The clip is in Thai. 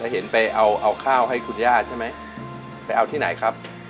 เห็นไปเอาเอาข้าวให้คุณย่าใช่ไหมไปเอาที่ไหนครับ